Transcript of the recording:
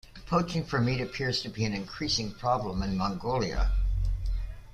Poaching for meat appears to be an increasing problem in Mongolia.